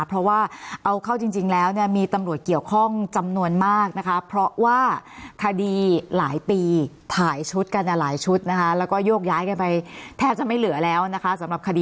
เพราะว่าเอาเข้าจริงแล้วมีตำรวจเกี่ยวข้องจำนวนมากนะคะ